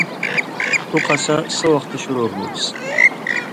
اُو قَصہ سو وختہ شروع ہُوسیۡ